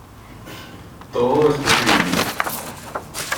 Todo es posible.